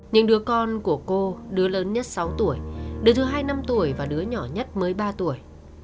những đứa con của cô đứa lớn nhất sáu tuổi đứa thứ hai năm tuổi và đứa nhỏ nhất mới ba tuổi